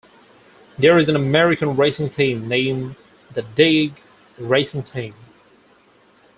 There is an American racing team named the Dig Racing Team.